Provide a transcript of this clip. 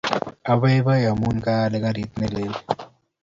Apaipai amun kaal karit ne lel